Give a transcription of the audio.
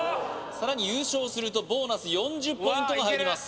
さらに優勝するとボーナス４０ポイントが入ります